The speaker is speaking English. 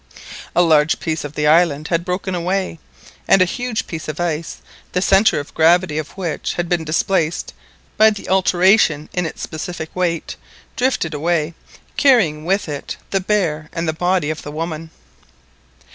A large piece of the island had broken away, and a huge piece of ice, the centre of gravity of which had been displaced by the alteration in its specific weight, drifted away, carrying with it the bear and the body of the woman.